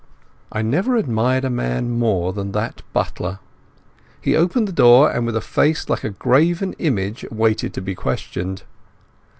I never admired a man more than that butler. He opened the door, and with a face like a graven image waited to be questioned.